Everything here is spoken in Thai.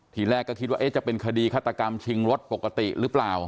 ทีแรกก็คิดว่าจะเป็นคดีฆาตกรรมชิงรถปกติหรือเปล่า